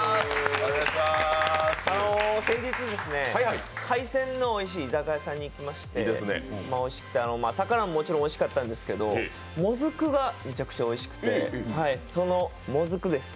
先日、海鮮のおいしい居酒屋さんに行きまして魚ももちろんおいしかったんですけど、もずくもめちゃくちゃおいしくて、その、もずくです。